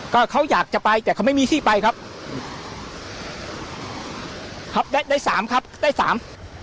ก็เขาอยากจะไปแต่เขาไม่มีที่ไปครับครับได้ได้สามครับได้สาม